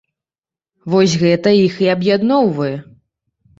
Вось, гэта іх і аб'ядноўвае.